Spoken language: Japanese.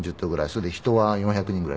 それで人は４００人ぐらい。